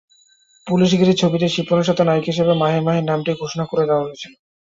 পুলিশগিরি ছবিতে শিপনের সঙ্গে নায়িকা হিসেবে মাহিয়া মাহির নামটি ঘোষণা দেওয়া হয়েছিল।